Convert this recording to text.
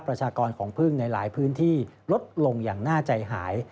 ประชากรของพึ่งในหลายพื้นที่ลดลงอย่างน่าใจหาย